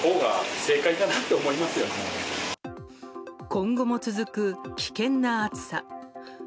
今後も続く、危険な暑さ。